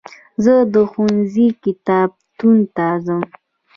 زه د ښوونځي کتابتون ته ځم.